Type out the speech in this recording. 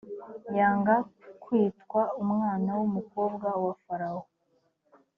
yanga kwitwa umwana w umukobwa wa farawo